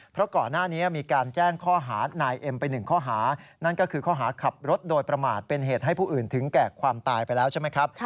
เพราะก่อนหน้านี้มีการแจ้งข้อหานายเอ็มไปหนึ่งข้อหานั่นก็คือข้อหาขับรถโดยประมาทเป็นเหตุให้ผู้อื่นถึงแก่ความตายไปแล้วใช่ไหมครับ